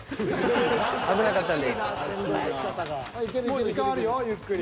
もう時間あるよゆっくり。